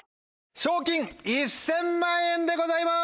賞金１０００万円でございます！